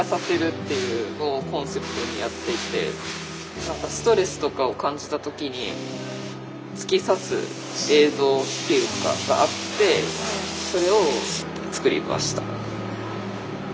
何かストレスとかを感じた時に突き刺す映像っていうのがあってそれを作りました。